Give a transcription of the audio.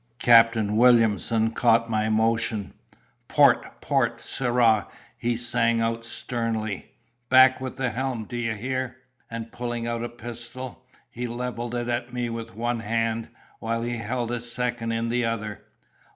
"Captain Williamson caught my motion. 'Port! port, sirrah!' he sang out sternly. 'Back with the helm, d'ye hear?' and pulling out a pistol, he levelled it at me with one hand, while he held a second in the other.